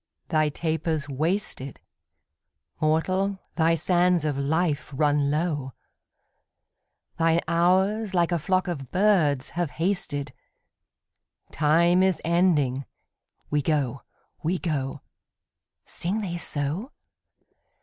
'Thy taper's wasted; Mortal, thy sands of life run low; Thine hours like a flock of birds have hasted: Time is ending; we go, we go.' Sing they so?